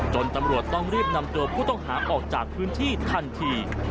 ตำรวจต้องรีบนำตัวผู้ต้องหาออกจากพื้นที่ทันที